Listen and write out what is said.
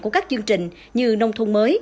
của các chương trình như nông thuân mới